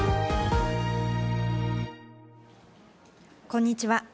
こんにちは。